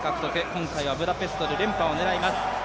今回はブダペストで連覇を狙います。